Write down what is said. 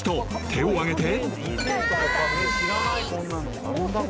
手を挙げて］